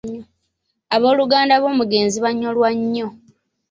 Abooluganda lw'omugenzi baanyolwa nnyo.